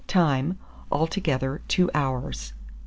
Time. Altogether, 2 hours.